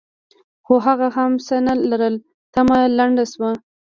خو هغه هم څه نه لرل؛ تمه لنډه شوه.